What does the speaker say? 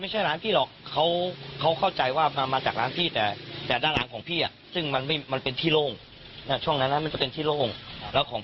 ซึ่งเป็นครัวของลุงเขาความแพง